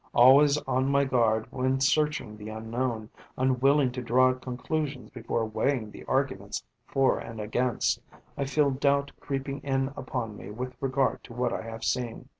Always on my guard when searching the unknown, unwilling to draw conclusions before weighing the arguments for and against, I feel doubt creeping in upon me with regard to what I have seen.